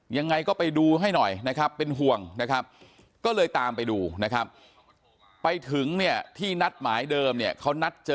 ยังไงก็ไปดูให้หน่อยนะครับเป็นห่วงนะครับก็เลยตามไปดูนะครับ